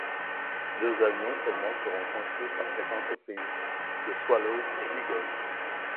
Deux avions seulement seront construits par cette entreprise, le Swallow et l'Eagle.